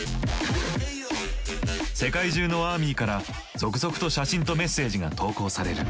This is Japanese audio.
世界中のアーミーから続々と写真とメッセージが投稿される。